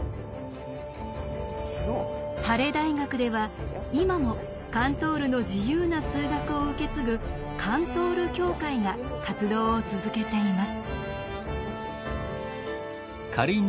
ハレ大学では今もカントールの自由な数学を受け継ぐ「カントール協会」が活動を続けています。